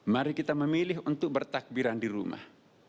mari kita memilih untuk bertakbiran di rumah